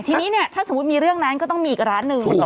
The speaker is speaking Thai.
ทีนี้เนี่ยถ้าสมมุติมีเรื่องนั้นก็ต้องมีอีกร้านหนึ่ง